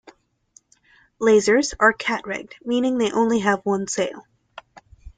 Lasers are cat-rigged, meaning they have only one sail.